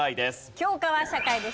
教科は社会です。